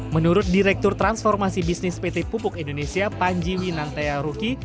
menurut direktur transformasi bisnis pt pupuk indonesia panji winantea ruki